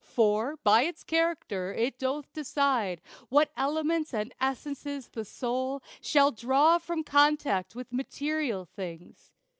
For, by its character, it doth decide What elements and essences the soul Shall draw from contact with material things.